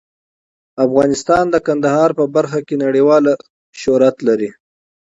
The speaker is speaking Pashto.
افغانستان د کندهار په برخه کې نړیوال شهرت لري.